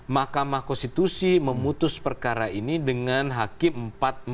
makamah konstitusi memutus perkara ini dengan hakim empat empat